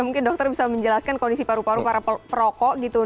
mungkin dokter bisa menjelaskan kondisi paru paru para perokok gitu